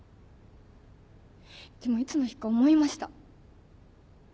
でもいつの日か思いました。